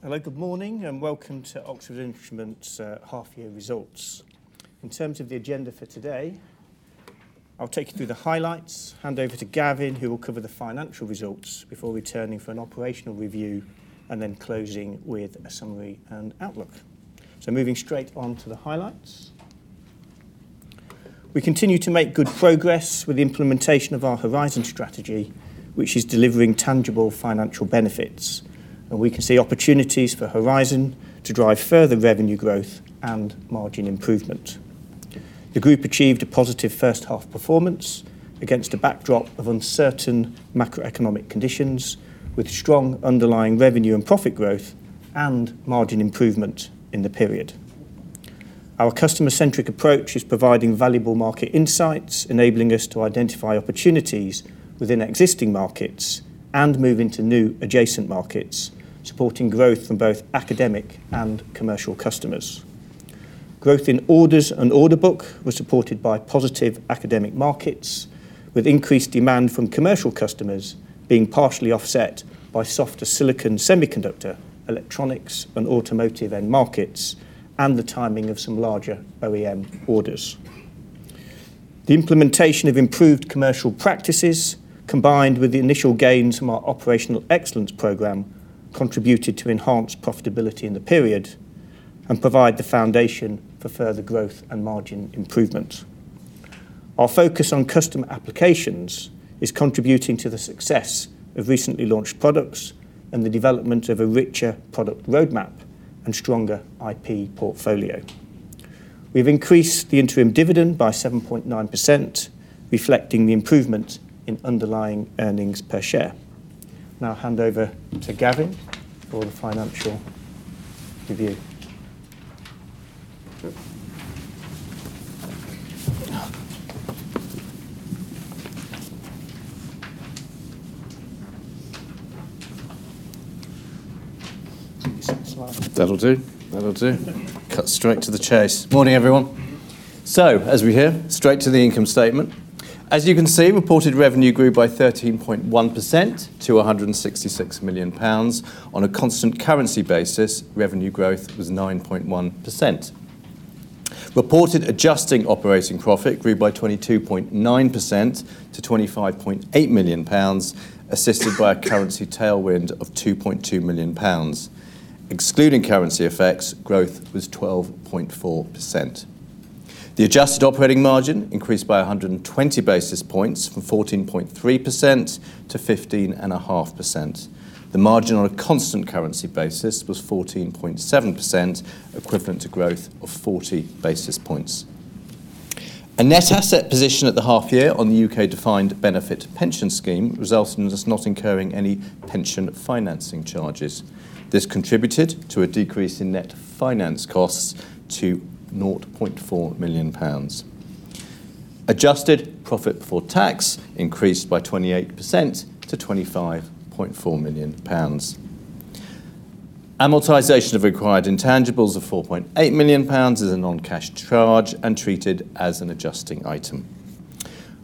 Hello, good morning, and welcome to Oxford Instruments' half-year results. In terms of the agenda for today, I'll take you through the highlights, hand over to Gavin, who will cover the financial results before returning for an operational review, and then closing with a summary and outlook. Moving straight on to the highlights. We continue to make good progress with the implementation of our Horizon Strategy, which is delivering tangible financial benefits, and we can see opportunities for Horizon to drive further revenue growth and margin improvement. The group achieved a positive first-half performance against a backdrop of uncertain macroeconomic conditions, with strong underlying revenue and profit growth and margin improvement in the period. Our customer-centric approach is providing valuable market insights, enabling us to identify opportunities within existing markets and move into new adjacent markets, supporting growth from both academic and commercial customers. Growth in orders and order book was supported by positive academic markets, with increased demand from commercial customers being partially offset by softer silicon semiconductor, electronics, and automotive end markets, and the timing of some larger OEM orders. The implementation of improved commercial practices, combined with the initial gains from our operational excellence program, contributed to enhanced profitability in the period and provide the foundation for further growth and margin improvement. Our focus on customer applications is contributing to the success of recently launched products and the development of a richer product roadmap and stronger IP portfolio. We've increased the interim dividend by 7.9%, reflecting the improvement in underlying earnings per share. Now, hand over to Gavin for the financial review. That'll do. That'll do. Cut straight to the chase. Morning, everyone. As we hear, straight to the income statement. As you can see, reported revenue grew by 13.1% to 166 million pounds. On a constant currency basis, revenue growth was 9.1%. Reported adjusting operating profit grew by 22.9% to 25.8 million pounds, assisted by a currency tailwind of 2.2 million pounds. Excluding currency effects, growth was 12.4%. The adjusted operating margin increased by 120 basis points from 14.3% to 15.5%. The margin on a constant currency basis was 14.7%, equivalent to growth of 40 basis points. A net asset position at the half-year on the UK-defined benefit pension scheme resulted in us not incurring any pension financing charges. This contributed to a decrease in net finance costs to 0.4 million pounds. Adjusted profit before tax increased by 28% to 25.4 million pounds. Amortization of required intangibles of 4.8 million pounds is a non-cash charge and treated as an adjusting item.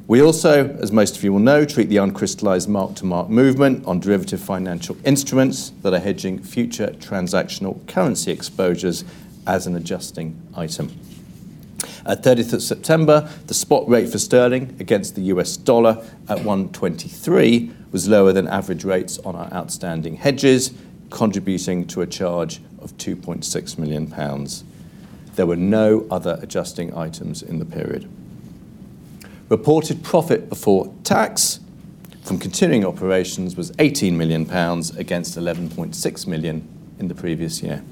We also, as most of you will know, treat the uncrystallised mark-to-mark movement on derivative financial instruments that are hedging future transactional currency exposures as an adjusting item. At 30 September, the spot rate for Sterling against the US Dollar at 1.23 was lower than average rates on our outstanding hedges, contributing to a charge of 2.6 million pounds. There were no other adjusting items in the period. Reported profit before tax from continuing operations was 18 million pounds against 11.6 million in the previous year.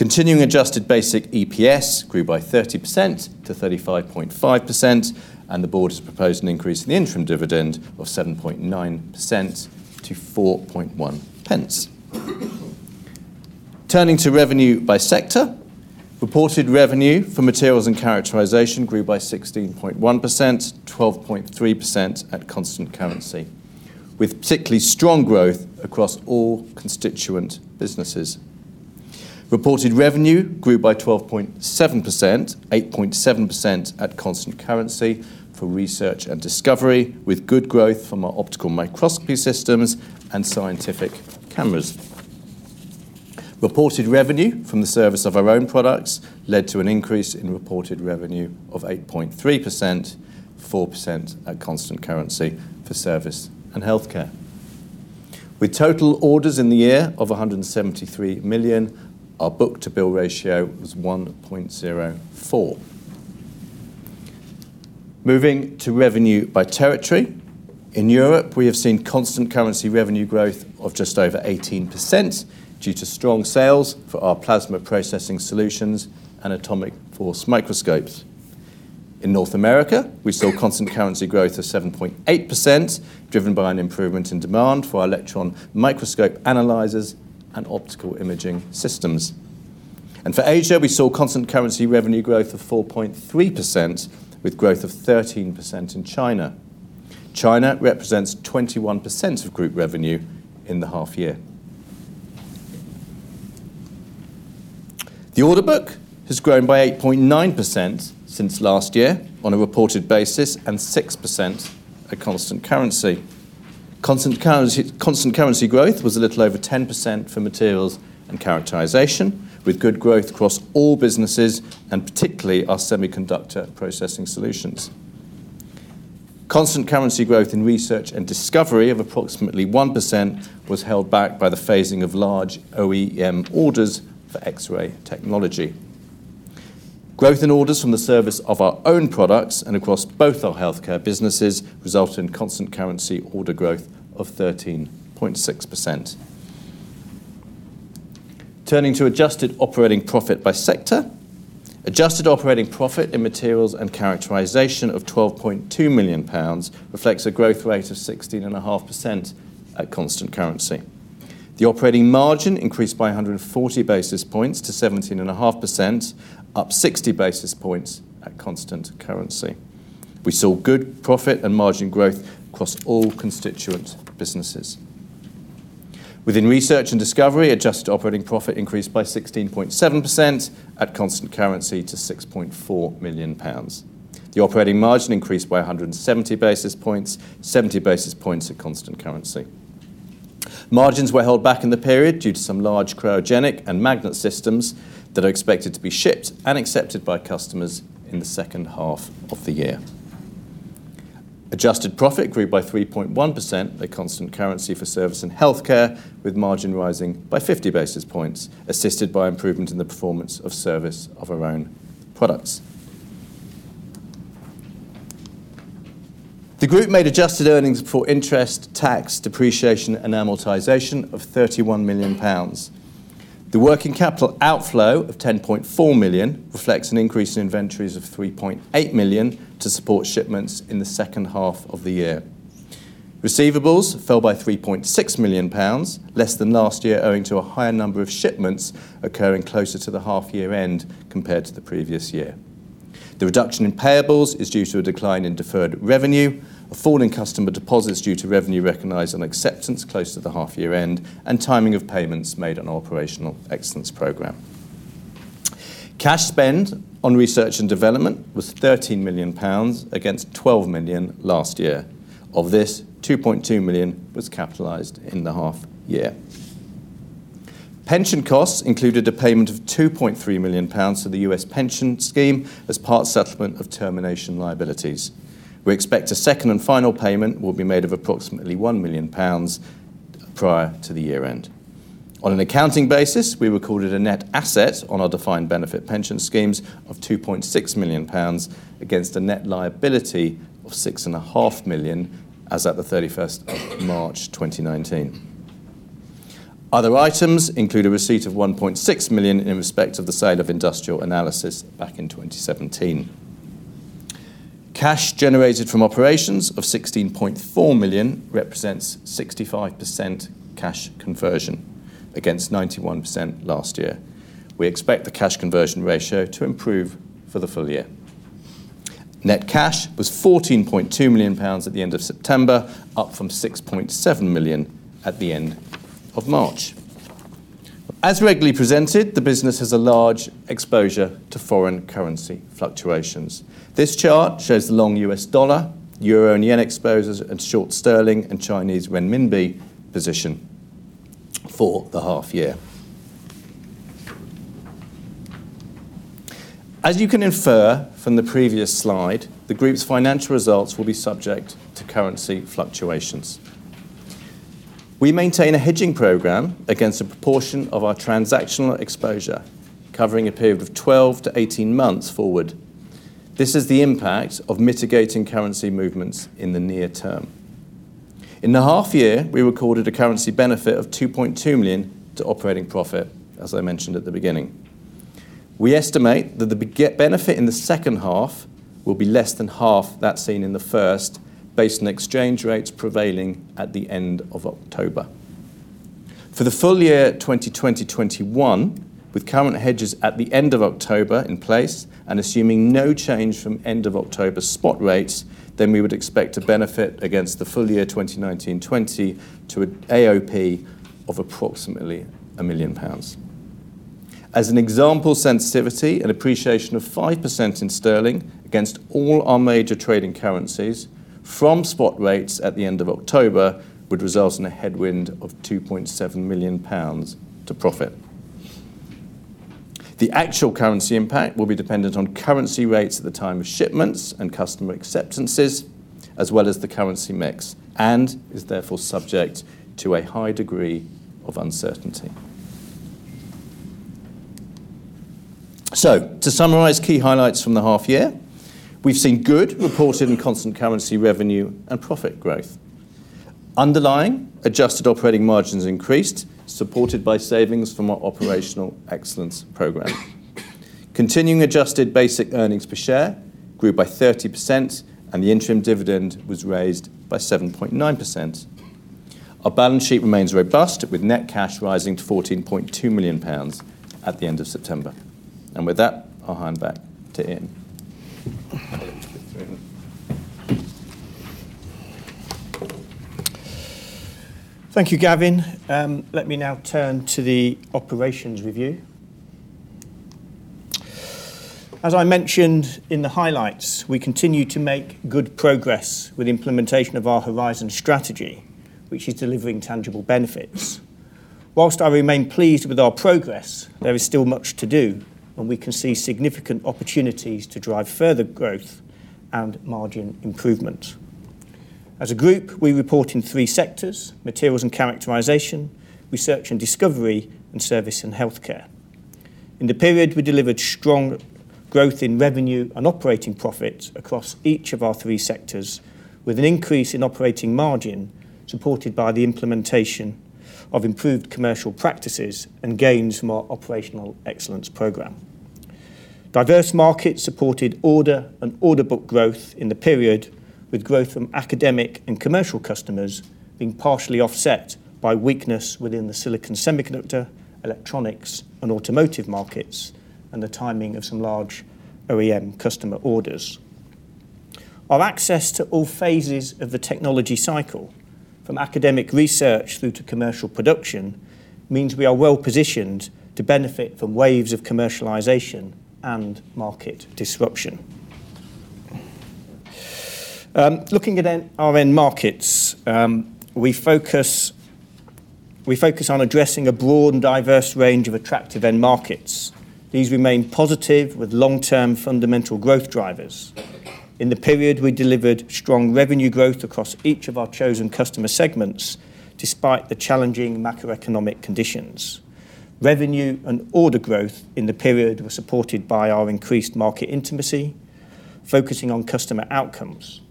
Continuing adjusted basic EPS grew by 30%-35.5%, and the board has proposed an increase in the interim dividend of 7.9% to 4.1 pence. Turning to revenue by sector, reported revenue for materials and characterisation grew by 16.1%, 12.3% at constant currency, with particularly strong growth across all constituent businesses. Reported revenue grew by 12.7%, 8.7% at constant currency for research and discovery, with good growth from our optical microscopy systems and scientific cameras. Reported revenue from the service of our own products led to an increase in reported revenue of 8.3%, 4% at constant currency for service and healthcare. With total orders in the year of 173 million, our book-to-bill ratio was 1.04. Moving to revenue by territory. In Europe, we have seen constant currency revenue growth of just over 18% due to strong sales for our plasma processing solutions and atomic force microscopes. In North America, we saw constant currency growth of 7.8%, driven by an improvement in demand for our electron microscope analysers and optical imaging systems. For Asia, we saw constant currency revenue growth of 4.3%, with growth of 13% in China. China represents 21% of group revenue in the half-year. The order book has grown by 8.9% since last year on a reported basis and 6% at constant currency. Constant currency growth was a little over 10% for materials and characterisation, with good growth across all businesses and particularly our semiconductor processing solutions. Constant currency growth in research and discovery of approximately 1% was held back by the phasing of large OEM orders for X-ray technology. Growth in orders from the service of our own products and across both our healthcare businesses resulted in constant currency order growth of 13.6%. Turning to adjusted operating profit by sector, adjusted operating profit in materials and characterisation of 12.2 million pounds reflects a growth rate of 16.5% at constant currency. The operating margin increased by 140 basis points to 17.5%, up 60 basis points at constant currency. We saw good profit and margin growth across all constituent businesses. Within research and discovery, adjusted operating profit increased by 16.7% at constant currency to 6.4 million pounds. The operating margin increased by 170 basis points, 70 basis points at constant currency. Margins were held back in the period due to some large cryogenic and magnet systems that are expected to be shipped and accepted by customers in the second half of the year. Adjusted profit grew by 3.1% at constant currency for service and healthcare, with margin rising by 50 basis points, assisted by improvement in the performance of service of our own products. The group made adjusted earnings before interest, tax, depreciation, and amortization of 31 million pounds. The working capital outflow of 10.4 million reflects an increase in inventories of 3.8 million to support shipments in the second half of the year. Receivables fell by 3.6 million pounds, less than last year, owing to a higher number of shipments occurring closer to the half-year end compared to the previous year. The reduction in payables is due to a decline in deferred revenue, a fall in customer deposits due to revenue recognized on acceptance close to the half-year end, and timing of payments made on our operational excellence program. Cash spend on research and development was 13 million pounds against 12 million last year. Of this, 2.2 million was capitalized in the half-year. Pension costs included a payment of 2.3 million pounds to the US Pension Scheme as part settlement of termination liabilities. We expect a second and final payment will be made of approximately 1 million pounds prior to the year-end. On an accounting basis, we recorded a net asset on our defined benefit pension schemes of 2.6 million pounds against a net liability of 6.5 million as of the 31st of March 2019. Other items include a receipt of 1.6 million in respect of the sale of industrial analysis back in 2017. Cash generated from operations of 16.4 million represents 65% cash conversion against 91% last year. We expect the cash conversion ratio to improve for the full year. Net cash was GBP 14.2 million at the end of September, up from GBP 6.7 million at the end of March. As regularly presented, the business has a large exposure to foreign currency fluctuations. This chart shows the long US dollars, Euro and JPY exposures and short Sterling and Chinese Renminbi position for the half-year. As you can infer from the previous slide, the group's financial results will be subject to currency fluctuations. We maintain a hedging program against a proportion of our transactional exposure, covering a period of 12 to 18 months forward. This is the impact of mitigating currency movements in the near term. In the half-year, we recorded a currency benefit of 2.2 million to operating profit, as I mentioned at the beginning. We estimate that the benefit in the second half will be less than half that seen in the first, based on exchange rates prevailing at the end of October. For the full year 2020-2021, with current hedges at the end of October in place and assuming no change from end-of-October spot rates, then we would expect a benefit against the full year 2019-2020 to an AOP of approximately 1 million pounds. As an example, sensitivity and appreciation of 5% in Sterling against all our major trading currencies from spot rates at the end of October would result in a headwind of 2.7 million pounds to profit. The actual currency impact will be dependent on currency rates at the time of shipments and customer acceptances, as well as the currency mix, and is therefore subject to a high degree of uncertainty. To summarise key highlights from the half-year, we've seen good reported and constant currency revenue and profit growth. Underlying adjusted operating margins increased, supported by savings from our operational excellence program. Continuing adjusted basic earnings per share grew by 30%, and the interim dividend was raised by 7.9%. Our balance sheet remains robust, with net cash rising to 14.2 million pounds at the end of September. With that, I'll hand back to Ian. Thank you, Gavin. Let me now turn to the operations review. As I mentioned in the highlights, we continue to make good progress with implementation of our Horizon Strategy, which is delivering tangible benefits. Whilst I remain pleased with our progress, there is still much to do, and we can see significant opportunities to drive further growth and margin improvement. As a group, we report in three sectors: materials and characterisation, research and discovery, and service and healthcare. In the period, we delivered strong growth in revenue and operating profits across each of our three sectors, with an increase in operating margin supported by the implementation of improved commercial practices and gains from our operational excellence program. Diverse markets supported order and order book growth in the period, with growth from academic and commercial customers being partially offset by weakness within the silicon semiconductor, electronics, and automotive markets and the timing of some large OEM customer orders. Our access to all phases of the technology cycle, from academic research through to commercial production, means we are well positioned to benefit from waves of commercialisation and market disruption. Looking at our end markets, we focus on addressing a broad and diverse range of attractive end markets. These remain positive, with long-term fundamental growth drivers. In the period, we delivered strong revenue growth across each of our chosen customer segments, despite the challenging macroeconomic conditions. Revenue and order growth in the period were supported by our increased market intimacy, focusing on customer outcomes.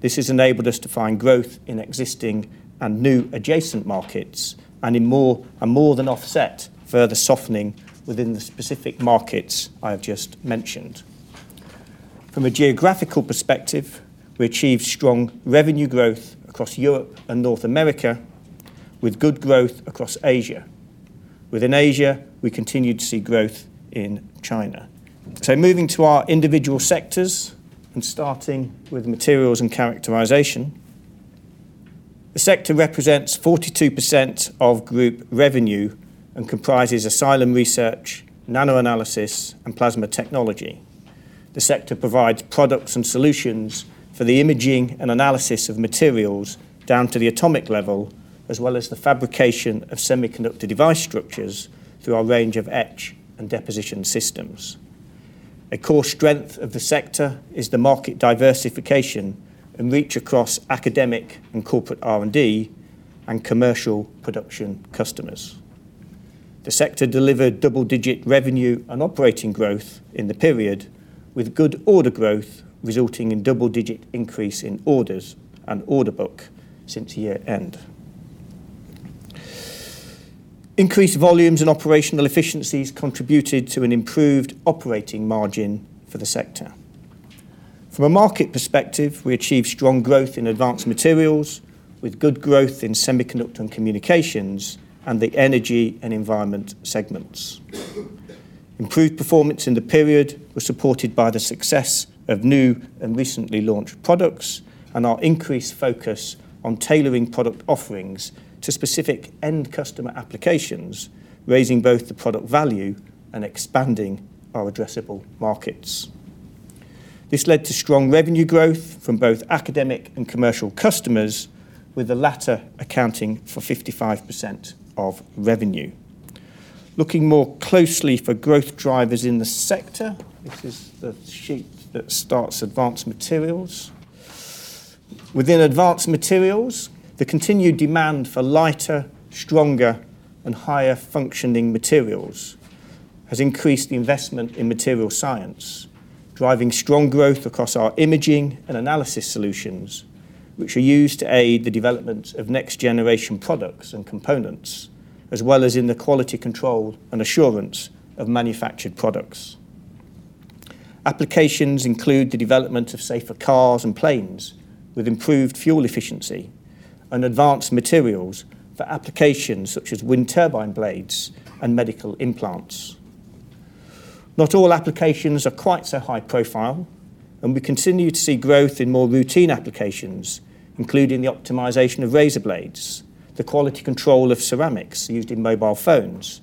This has enabled us to find growth in existing and new adjacent markets and in more than offset, further softening within the specific markets I have just mentioned. From a geographical perspective, we achieved strong revenue growth across Europe and North America, with good growth across Asia. Within Asia, we continued to see growth in China. Moving to our individual sectors and starting with materials and characterisation. The sector represents 42% of group revenue and comprises Asylum Research, NanoAnalysis, and Plasma Technology. The sector provides products and solutions for the imaging and analysis of materials down to the atomic level, as well as the fabrication of semiconductor device structures through our range of etch and deposition systems. A core strength of the sector is the market diversification and reach across academic and corporate R&D and commercial production customers. The sector delivered double-digit revenue and operating growth in the period, with good order growth resulting in double-digit increase in orders and order book since year-end. Increased volumes and operational efficiencies contributed to an improved operating margin for the sector. From a market perspective, we achieved strong growth in advanced materials, with good growth in semiconductor and communications and the energy and environment segments. Improved performance in the period was supported by the success of new and recently launched products and our increased focus on tailoring product offerings to specific end customer applications, raising both the product value and expanding our addressable markets. This led to strong revenue growth from both academic and commercial customers, with the latter accounting for 55% of revenue. Looking more closely for growth drivers in the sector, this is the sheet that starts advanced materials. Within advanced materials, the continued demand for lighter, stronger, and higher functioning materials has increased the investment in material science, driving strong growth across our imaging and analysis solutions, which are used to aid the development of next-generation products and components, as well as in the quality control and assurance of manufactured products. Applications include the development of safer cars and planes, with improved fuel efficiency, and advanced materials for applications such as wind turbine blades and medical implants. Not all applications are quite so high profile, and we continue to see growth in more routine applications, including the optimization of razor blades, the quality control of ceramics used in mobile phones,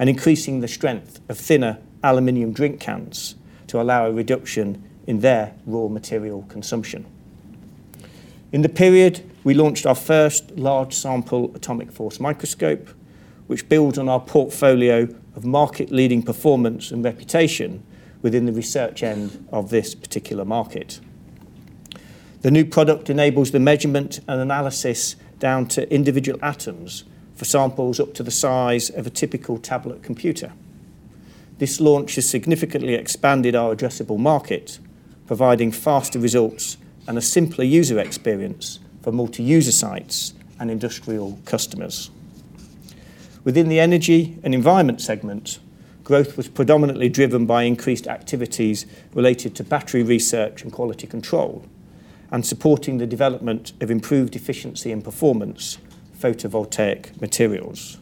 and increasing the strength of thinner aluminum drink cans to allow a reduction in their raw material consumption. In the period, we launched our first large sample atomic force microscope, which builds on our portfolio of market-leading performance and reputation within the research end of this particular market. The new product enables the measurement and analysis down to individual atoms for samples up to the size of a typical tablet computer. This launch has significantly expanded our addressable market, providing faster results and a simpler user experience for multi-user sites and industrial customers. Within the energy and environment segment, growth was predominantly driven by increased activities related to battery research and quality control and supporting the development of improved efficiency and performance photovoltaic materials.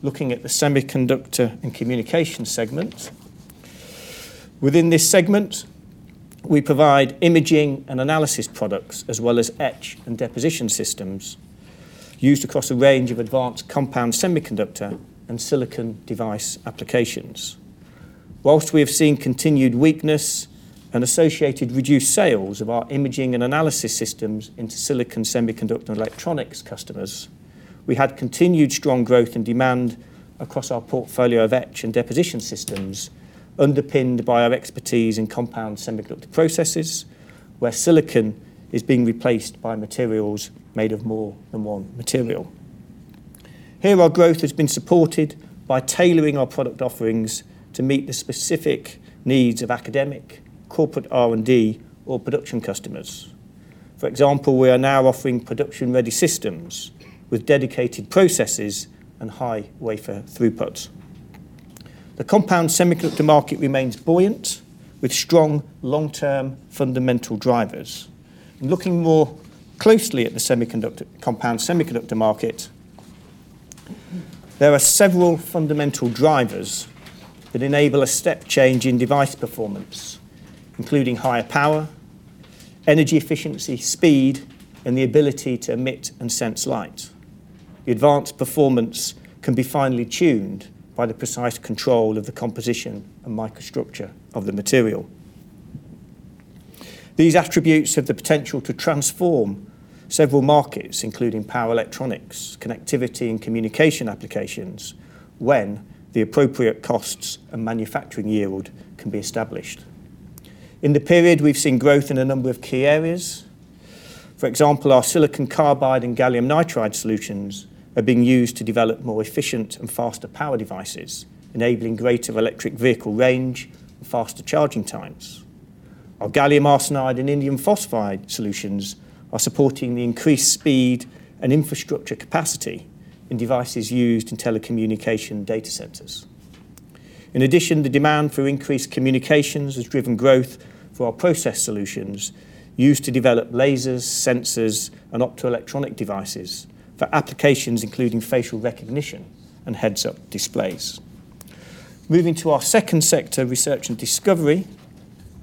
Looking at the semiconductor and communication segment, within this segment, we provide imaging and analysis products, as well as etch and deposition systems used across a range of advanced compound semiconductor and silicon device applications. Whilst we have seen continued weakness and associated reduced sales of our imaging and analysis systems into silicon semiconductor and electronics customers, we had continued strong growth in demand across our portfolio of etch and deposition systems, underpinned by our expertise in compound semiconductor processes, where silicon is being replaced by materials made of more than one material. Here, our growth has been supported by tailoring our product offerings to meet the specific needs of academic, corporate R&D, or production customers. For example, we are now offering production-ready systems with dedicated processes and high wafer throughput. The compound semiconductor market remains buoyant, with strong long-term fundamental drivers. Looking more closely at the compound semiconductor market, there are several fundamental drivers that enable a step change in device performance, including higher power, energy efficiency, speed, and the ability to emit and sense light. The advanced performance can be finely tuned by the precise control of the composition and microstructure of the material. These attributes have the potential to transform several markets, including power electronics, connectivity, and communication applications, when the appropriate costs and manufacturing yield can be established. In the period, we've seen growth in a number of key areas. For example, our silicon carbide and gallium nitride solutions are being used to develop more efficient and faster power devices, enabling greater electric vehicle range and faster charging times. Our gallium arsenide and indium phosphide solutions are supporting the increased speed and infrastructure capacity in devices used in telecommunication data centers. In addition, the demand for increased communications has driven growth for our process solutions used to develop lasers, sensors, and optoelectronic devices for applications including facial recognition and heads-up displays. Moving to our second sector, research and discovery,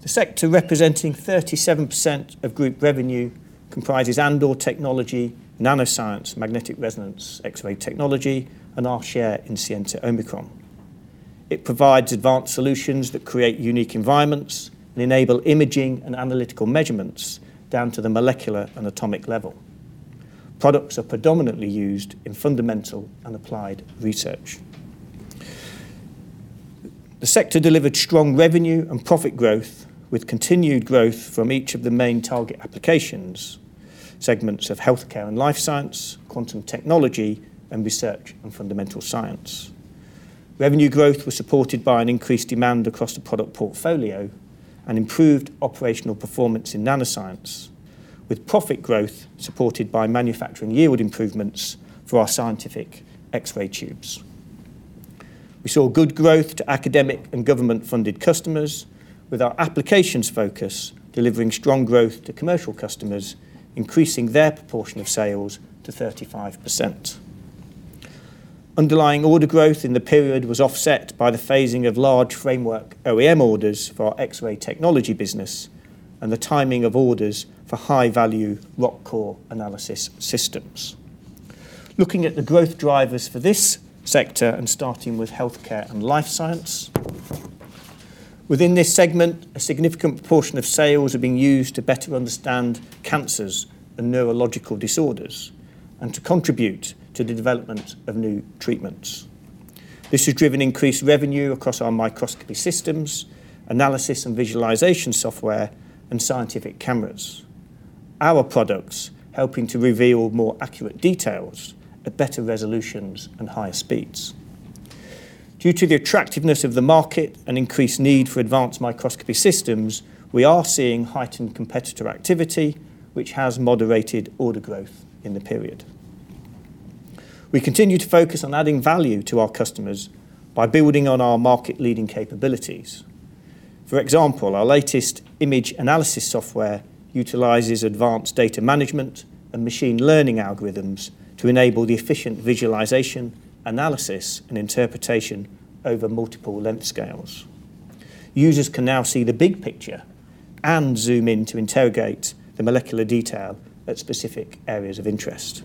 the sector representing 37% of group revenue comprises Andor Technology, NanoScience, Magnetic Resonance X-ray Technology, and our share in Scienta Omicron. It provides advanced solutions that create unique environments and enable imaging and analytical measurements down to the molecular and atomic level. Products are predominantly used in fundamental and applied research. The sector delivered strong revenue and profit growth, with continued growth from each of the main target applications segments of healthcare and life science, quantum technology, and research and fundamental science. Revenue growth was supported by an increased demand across the product portfolio and improved operational performance in NanoScience, with profit growth supported by manufacturing yield improvements for our scientific X-ray tubes. We saw good growth to academic and government-funded customers, with our applications focus delivering strong growth to commercial customers, increasing their proportion of sales to 35%. Underlying order growth in the period was offset by the phasing of large framework OEM orders for our X-ray technology business and the timing of orders for high-value rock core analysis systems. Looking at the growth drivers for this sector and starting with healthcare and life science, within this segment, a significant portion of sales have been used to better understand cancers and neurological disorders and to contribute to the development of new treatments. This has driven increased revenue across our microscopy systems, analysis and visualization software, and scientific cameras. Our products are helping to reveal more accurate details at better resolutions and higher speeds. Due to the attractiveness of the market and increased need for advanced microscopy systems, we are seeing heightened competitor activity, which has moderated order growth in the period. We continue to focus on adding value to our customers by building on our market-leading capabilities. For example, our latest image analysis software utilizes advanced data management and machine learning algorithms to enable the efficient visualization, analysis, and interpretation over multiple length scales. Users can now see the big picture and zoom in to interrogate the molecular detail at specific areas of interest.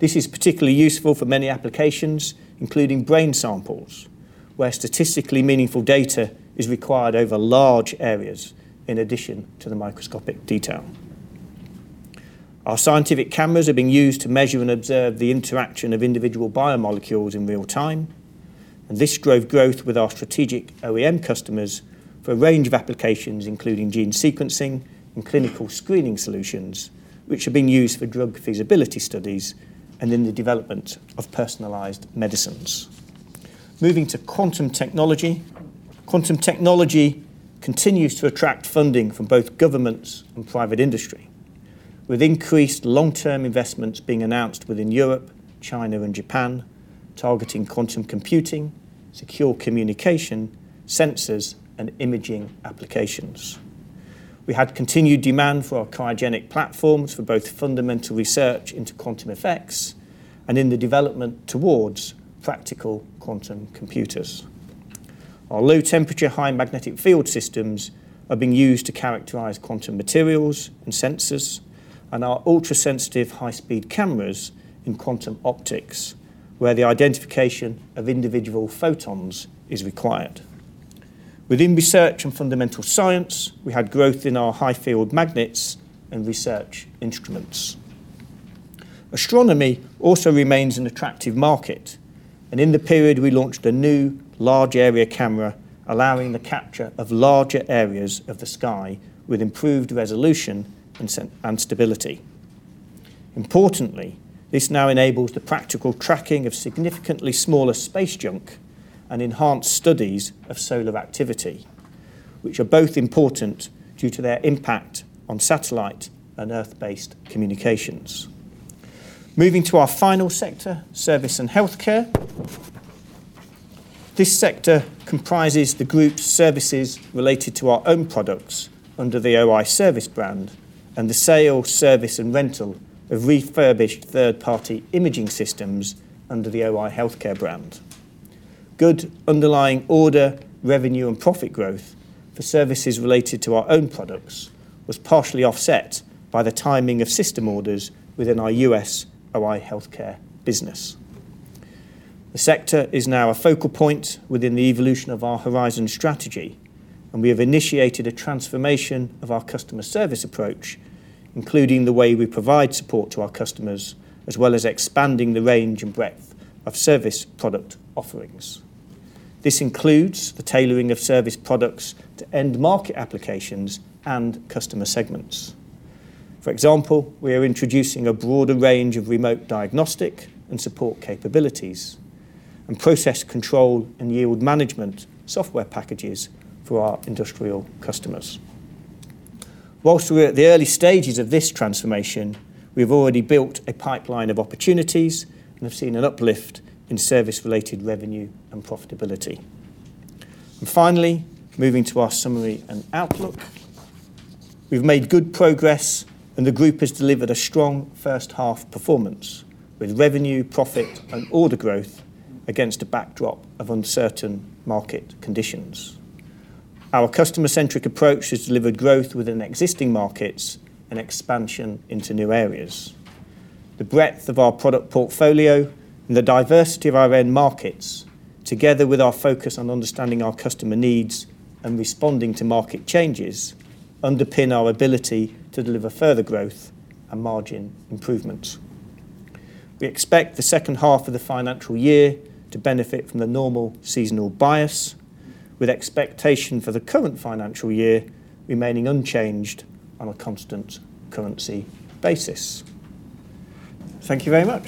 This is particularly useful for many applications, including brain samples, where statistically meaningful data is required over large areas in addition to the microscopic detail. Our scientific cameras are being used to measure and observe the interaction of individual biomolecules in real time, and this drove growth with our strategic OEM customers for a range of applications, including gene sequencing and clinical screening solutions, which have been used for drug feasibility studies and in the development of personalized medicines. Moving to quantum technology, quantum technology continues to attract funding from both governments and private industry, with increased long-term investments being announced within Europe, China, and Japan, targeting quantum computing, secure communication, sensors, and imaging applications. We had continued demand for our cryogenic platforms for both fundamental research into quantum effects and in the development towards practical quantum computers. Our low-temperature, high-magnetic field systems are being used to characterise quantum materials and sensors, and our ultra-sensitive, high-speed cameras in quantum optics, where the identification of individual photons is required. Within research and fundamental science, we had growth in our high-field magnets and research instruments. Astronomy also remains an attractive market, and in the period, we launched a new large-area camera allowing the capture of larger areas of the sky with improved resolution and stability. Importantly, this now enables the practical tracking of significantly smaller space junk and enhanced studies of solar activity, which are both important due to their impact on satellite and Earth-based communications. Moving to our final sector, service and healthcare. This sector comprises the group's services related to our own products under the OI service brand and the sale, service, and rental of refurbished third-party imaging systems under the OI healthcare brand. Good underlying order, revenue, and profit growth for services related to our own products was partially offset by the timing of system orders within our US OI healthcare business. The sector is now a focal point within the evolution of our Horizon Strategy, and we have initiated a transformation of our customer service approach, including the way we provide support to our customers, as well as expanding the range and breadth of service product offerings. This includes the tailoring of service products to end-market applications and customer segments. For example, we are introducing a broader range of remote diagnostic and support capabilities and process control and yield management software packages for our industrial customers. Whilst we're at the early stages of this transformation, we've already built a pipeline of opportunities and have seen an uplift in service-related revenue and profitability. Finally, moving to our summary and outlook, we've made good progress, and the group has delivered a strong first-half performance with revenue, profit, and order growth against a backdrop of uncertain market conditions. Our customer-centric approach has delivered growth within existing markets and expansion into new areas. The breadth of our product portfolio and the diversity of our end markets, together with our focus on understanding our customer needs and responding to market changes, underpin our ability to deliver further growth and margin improvements. We expect the second half of the financial year to benefit from the normal seasonal bias, with expectation for the current financial year remaining unchanged on a constant currency basis. Thank you very much.